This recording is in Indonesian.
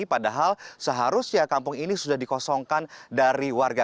padahal seharusnya kampung ini sudah dikosongkan dari warga